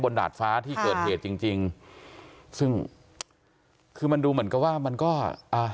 ดาดฟ้าที่เกิดเหตุจริงจริงซึ่งคือมันดูเหมือนกับว่ามันก็อ่า